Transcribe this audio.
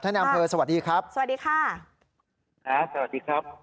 ในอำเภอสวัสดีครับสวัสดีค่ะครับสวัสดีครับ